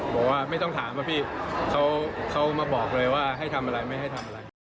บอกว่าไม่ต้องถามอะพี่เขามาบอกเลยว่าให้ทำอะไรไม่ให้ทำอะไร